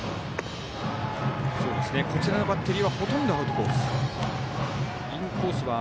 こちらのバッテリーはほとんどアウトコース。